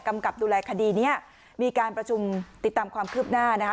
กับดูแลคดีนี้มีการประชุมติดตามความคืบหน้านะคะ